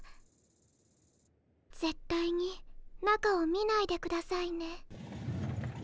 ぜったいに中を見ないでくださいね。